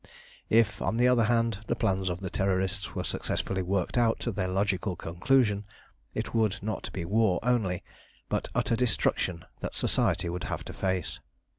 If, on the other hand, the plans of the Terrorists were successfully worked out to their logical conclusion, it would not be war only, but utter destruction that Society would have to face.